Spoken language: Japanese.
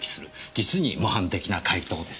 実に模範的な解答です。